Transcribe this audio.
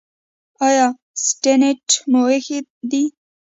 ایا سټنټ مو ایښی دی؟